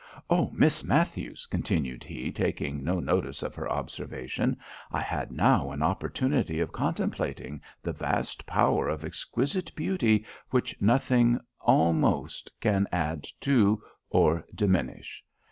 "O, Miss Matthews!" continued he, taking no notice of her observation, "I had now an opportunity of contemplating the vast power of exquisite beauty, which nothing almost can add to or diminish.